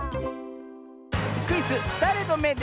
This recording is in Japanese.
クイズ「だれのめでショー」